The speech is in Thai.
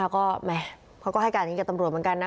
เขาก็ให้การนี้กับตำรวจเหมือนกันนะ